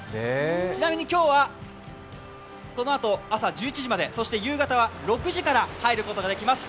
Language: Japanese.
ちなみに今日はこのあと朝１１時まで、夕方は６時から入ることができます。